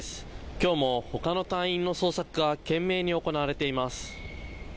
今日も他の隊員の捜索が懸命に行われています